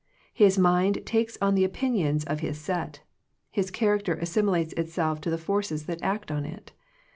His mind takes on the opinions of his set: his character assimilates itself to the forces that act on it.